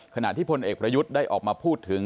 ขณะที่พลเอกประยุทธ์ได้ออกมาพูดถึง